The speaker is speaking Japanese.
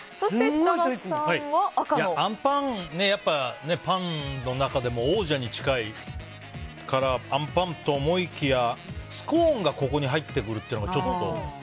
あんぱん、パンの中でも王者に近いからあんぱんと思いきやスコーンがここに入ってくるっていうのがちょっと。